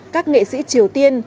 các nghệ sĩ triều tiên